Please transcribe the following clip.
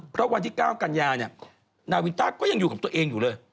เพราะวันที่๙กันยาเนี่ยนาวินต้าก็ยังอยู่กับตัวเองอยู่เลย